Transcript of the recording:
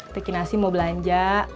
teh kinasi mau belanja